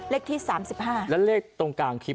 เลขที่๓๕แล้วเลขตรงกลางคลิป